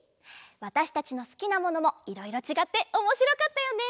わたしたちのすきなものもいろいろちがっておもしろかったよね。